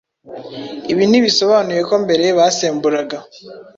Ibi ntibisobanuye ko mbere basemburaga